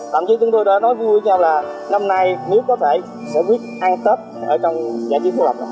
tại vì chúng tôi đã nói vui với nhau là năm nay nếu có thể sẽ biết ăn tết ở trong giải trí thuộc lập lập